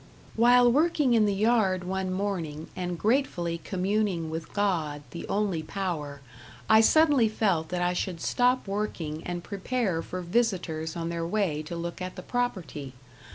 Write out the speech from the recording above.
While working in the yard one morning and gratefully communing with God, the only power, I suddenly felt that I should stop working and prepare for visitors on their way to look at the property.